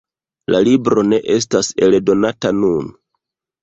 La libro ne estas eldonata nun.